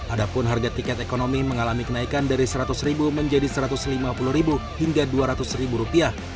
adapun harga tiket ekonomi mengalami kenaikan dari seratus ribu menjadi satu ratus lima puluh ribu hingga dua ratus ribu rupiah